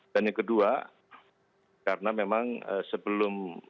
dan yang kedua karena memang sebelum